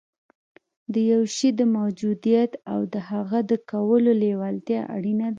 د یوه شي د موجودیت او د هغه د کولو لېوالتیا اړینه ده